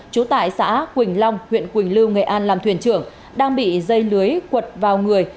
trú tại xã quỳnh long huyện quỳnh lưu nghệ an làm thuyền trưởng đang bị dây lưới quật vào người